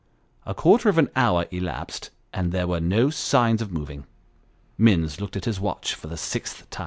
A quarter of an hour elapsed, and there were no signs of moving. Minns looked at his watch for the sixth time.